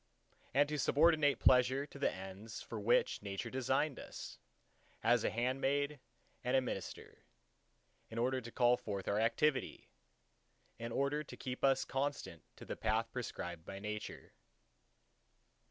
and to subordinate pleasure to the ends for which Nature designed us, as a handmaid and a minister, in order to call forth our activity; in order to keep us constant to the path prescribed by Nature.